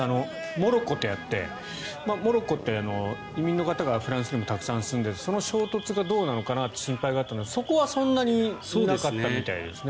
モロッコとやってモロッコって移民の方がフランスにもたくさん住んでいてその衝突がどうなのかなと心配があったのですがそこはそんなになかったみたいですね。